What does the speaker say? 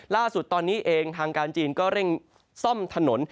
ล่าสุดตอนนี้เองทางการจีนก็เร่งซ่อมถนน